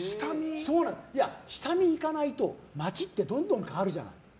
下見に行かないと街ってどんどん変わるじゃん。